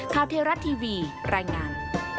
ข้าวเทวรัฐทีวีรายงาน